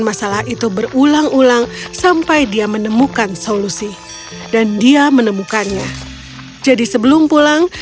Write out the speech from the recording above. masalah itu berulang ulang sampai dia menemukan solusi dan dia menemukannya jadi sebelum pulang